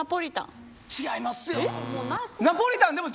違いますよ。